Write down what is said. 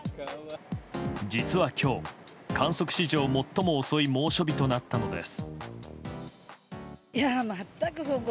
実は、今日観測史上最も遅い猛暑日となったのです。